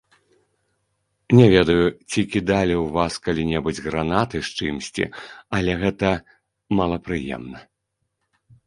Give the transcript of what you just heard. Не ведаю, ці кідалі ў вас калі-небудзь гранаты з чымсьці, але гэта малапрыемна.